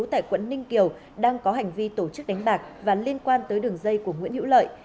tại quận ninh kiều đang có hành vi tổ chức đánh bạc và liên quan tới đường dây của nguyễn hữu lợi